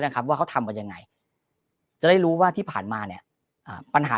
ครับว่าเขาทำกันยังไงจะได้รู้ว่าที่ผ่านมาเนี่ยปัญหา